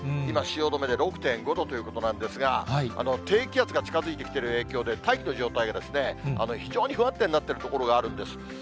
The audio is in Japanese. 今、汐留で６．５度ということなんですが、低気圧が近づいてきている影響で、大気の状態が非常に不安定になってる所があるんです。